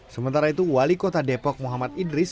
sementara itu wali kota depok muhammad idris